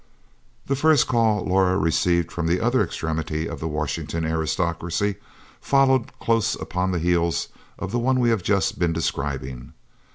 The first call Laura received from the other extremity of the Washington aristocracy followed close upon the heels of the one we have just been describing.